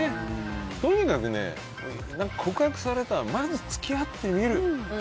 とにかく告白されたらまず付き合ってみる。